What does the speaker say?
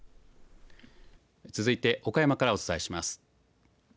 続いて岡山からお伝えします。